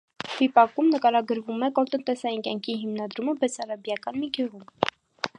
Վիպակում նկարագրվում է կոլտնտեսային կյանքի հիմնադրումը բեսարաբիական մի գյուղում։